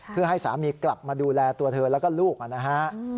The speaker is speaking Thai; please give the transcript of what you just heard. เพื่อให้สามีกลับมาดูแลตัวเธอแล้วก็ลูกนะฮะ